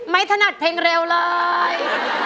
ถนัดเพลงเร็วเลย